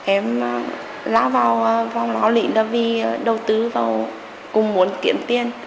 em lá vào ló lịnh là vì đầu tư vào cùng muốn kiếm tiền